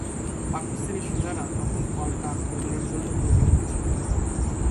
পাকিস্তানি সেনারা তখন পাল্টা আক্রমণের জন্যে তৈরি হচ্ছে।